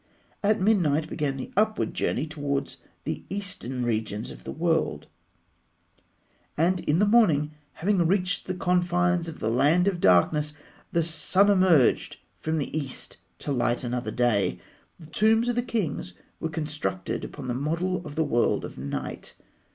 At midnight began the upward journey towards the eastern regions of the world; and in the morning, having reached the confines of the Land of Darkness, the sun emerged from the east to light another day. The tombs of the kings were constructed upon the model of the world of night.